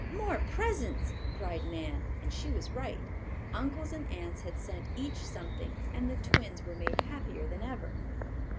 "More presents!" cried Nan, and she was right. Uncles and aunts had sent each something; and the twins were made happier than ever.